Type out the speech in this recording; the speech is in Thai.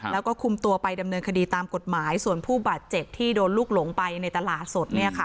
แล้วก็คุมตัวไปดำเนินคดีตามกฎหมายส่วนผู้บาดเจ็บที่โดนลูกหลงไปในตลาดสด